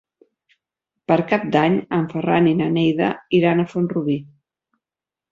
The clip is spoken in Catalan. Per Cap d'Any en Ferran i na Neida iran a Font-rubí.